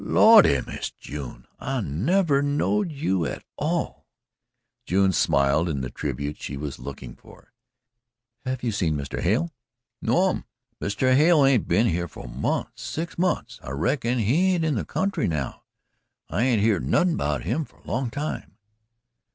"Lordy, Miss June I never knowed you at all." June smiled it was the tribute she was looking for. "Have you seen Mr. Hale?" "No'm. Mr. Hale ain't been here for mos' six months. I reckon he aint in this country now. I aint heard nothin' 'bout him for a long time."